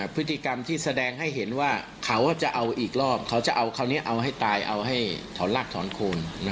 พฤติกรรมที่แสดงให้เห็นว่าเขาจะเอาอีกรอบเขาจะเอาคราวนี้เอาให้ตายเอาให้ถอนรากถอนโคน